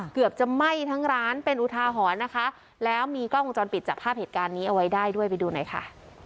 เกือบจะไหม้ทั้งร้านเป็นอุทาหรณ์นะคะแล้วมีกล้องวงจรปิดจับภาพเหตุการณ์นี้เอาไว้ได้ด้วยไปดูหน่อยค่ะ